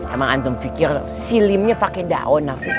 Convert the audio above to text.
emang antum pikir si limnya pake daun afiq